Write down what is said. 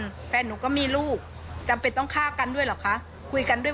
ที่มันก็มีเรื่องที่ดิน